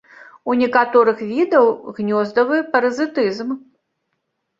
У некаторых відаў гнездавы паразітызм.